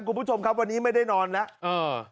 คุณผู้ชมครับวันนี้ไม่ได้นอนแล้ว